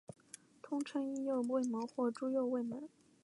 通称伊又卫门或猪右卫门。